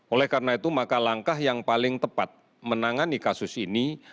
oleh karena itu maka langkah yang paling tepat menangani kasus ini